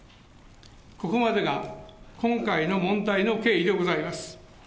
ここまでが今回の問題の経緯でございます。